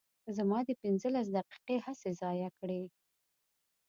زما دې پنځلس دقیقې هسې ضایع کړې.